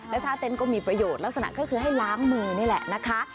แล้วท่าเต้นก็มีประโยชน์ลักษณะก็คือให้ล้างมือนี่แหละนะคะ